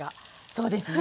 そうですね。